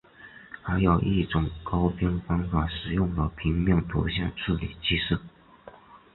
还有一种勾边方法使用了平面图像处理技术。